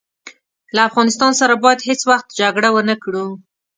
له افغانستان سره باید هیڅ وخت جګړه ونه کړو.